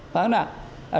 phải không nào